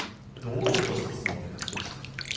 堂々とした相撲で勝ちました。